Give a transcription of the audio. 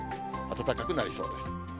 暖かくなりそうです。